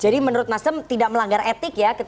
jadi menurut mas sem tidak melanggar etik ya ketika